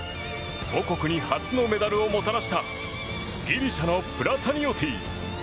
母国に初のメダルをもたらしたギリシャのプラタニオティ。